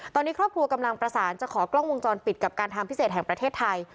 ตอนนี้ครอบครัวกำลังประสานจะขอกล้องวงจรปิดกับการทางพิเศษแห่งประเทศไทย